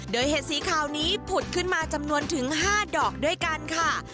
โดยเห็ดสีขาวนี้ผุดขึ้นมาจำนวนถึง๕ดอกด้วยกันค่ะ